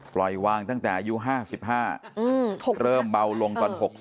ปล่อยวางตั้งแต่อายุ๕๕เริ่มเบาลงตอน๖๐